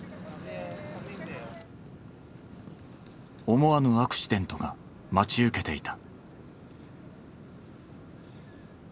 思わぬアクシデントが待ち受けていた。